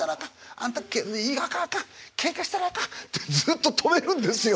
あんたあかんあかんケンカしたらあかん」ってずっと止めるんですよ。